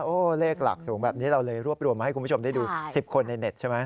เลขหลักสูงแบบนี้เราเลยรวบรวมมาให้คุณผู้ชมได้ดู๑๐คนในเน็ตใช่ไหม